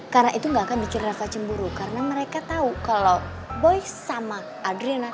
karena itu nggak akan dicuri reva cemburu karena mereka tahu kalau boy sama adriana